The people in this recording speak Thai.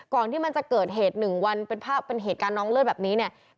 ก่อนที่มันจะเกิดเหตุหนึ่งวันเป็นภาพเป็นเหตุการณ์น้องเลือดแบบนี้เนี่ย